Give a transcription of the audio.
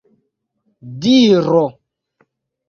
diro